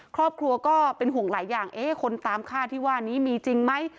ครอบครัวก็เป็นห่วงหลายอย่างคนตามฆ่าที่ว่านี้มีจริงไหม